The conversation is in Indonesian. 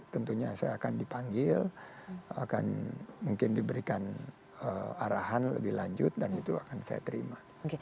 tentunya saya akan dipanggil akan mungkin diberikan arahan lebih lanjut dan itu akan saya terima